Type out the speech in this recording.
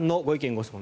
・ご質問